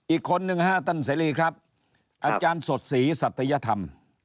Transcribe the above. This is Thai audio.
อีกคนหนึ่ง๕ตั้นซีรีส์ครับอาจารย์สดสีศัตยธรรม